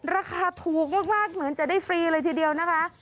ราคาถูกมากเหมือนจะได้ฟรีเลยทีเดียวนะคะ